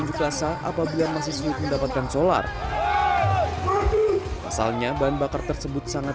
jelas apabila masih sulit mendapatkan solar asalnya bahan bakar tersebut sangat